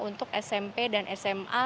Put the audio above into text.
untuk smp dan sma